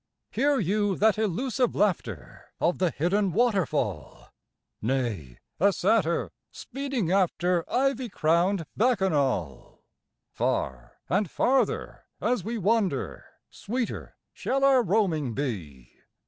Hear you that elusive laughter Of the hidden waterfall? Nay, a satyr speeding after Ivy crowned bacchanal. Far and farther as we wander Sweeter shall our roaming be.